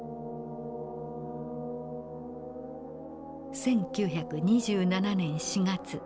１９２７年４月。